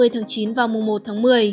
ba mươi tháng chín và mùa một tháng một mươi